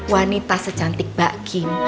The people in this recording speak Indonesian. wanita secantik mbak kim